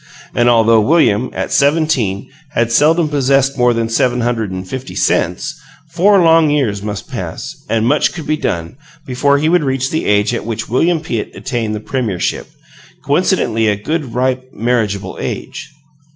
And although William, at seventeen, had seldom possessed more than seven hundred and fifty cents, four long years must pass, and much could be done, before he would reach the age at which William Pitt attained the premiership coincidentally a good, ripe, marriageable age.